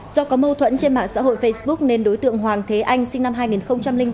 do có mâu thuẫn trên mạng xã hội facebook nên đối tượng hoàng thế anh sinh năm hai nghìn ba